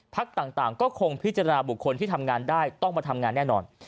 ต่างก็คงพิจารณาบุคคลที่ทำงานได้ต้องมาทำงานแน่นอน